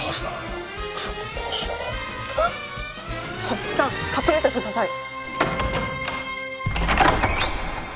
五月さん隠れてください！